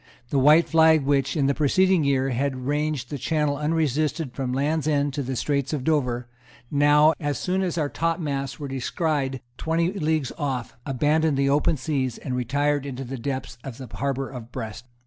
The white flag, which, in the preceding year, had ranged the Channel unresisted from the Land's End to the Straits of Dover, now, as soon as our topmasts were descried twenty leagues off, abandoned the open sea, and retired into the depths of the harbour of Brest.